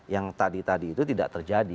yang tadi tadi itu tidak terjadi